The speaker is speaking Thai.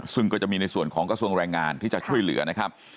ซึ่งก็จะมีในส่วนของกระทรวงแรงงานที่จะช่วยเหลือนะครับ